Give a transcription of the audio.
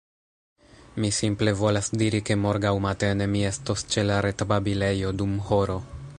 Mi simple volas diri ke morgaŭ matene mi estos ĉe la retbabilejo dum horo